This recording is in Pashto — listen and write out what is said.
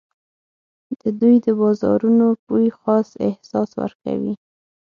د دوی د بازارونو بوی خاص احساس ورکوي.